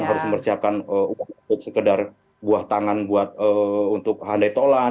harus mempersiapkan uang untuk sekedar buah tangan untuk handai tolan